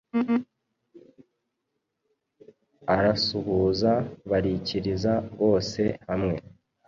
arasuhuza barikiriza bose hamwe